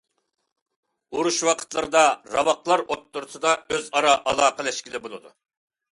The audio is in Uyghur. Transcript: ئۇرۇش ۋاقىتلىرىدا راۋاقلار ئوتتۇرىسىدا ئۆز ئارا ئالاقىلەشكىلى بولىدۇ.